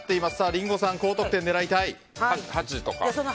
リンゴさん、高得点を狙いたい。